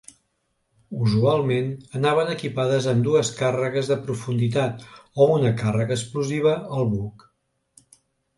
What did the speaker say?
Usualment anaven equipades amb dues càrregues de profunditat, o una càrrega explosiva al buc.